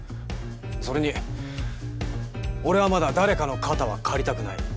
それに俺はまだ誰かの肩は借りたくない。